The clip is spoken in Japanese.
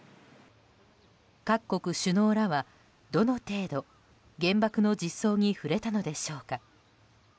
各国首脳らは、どの程度原爆の実相に触れたのでしょうか。